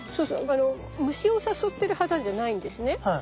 あの虫を誘ってる花じゃないんですね。